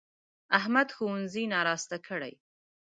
احمد ښوونځی ناراسته کړی.